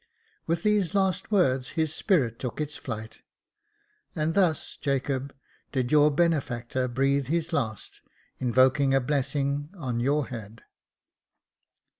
With these last words his spirit took its flight ; and thus, Jacob, did your benefactor breathe his last, invoking a blessing on your head."